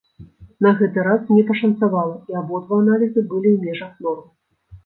На гэты раз мне пашанцавала, і абодва аналізы былі ў межах нормы.